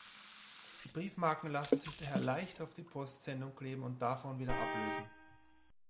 Die Briefmarken lassen sich daher leicht auf die Postsendung kleben und davon wieder ablösen.